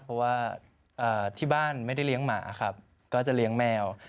เพราะว่าที่บ้านไม่ได้เลี้ยงหมาครับก็จะเลี้ยงแมว